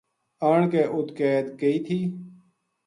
آن کے اُت قید کئی تھی